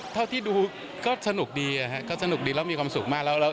เท่าที่ดูก็สนุกดีเรามีความสุขมาก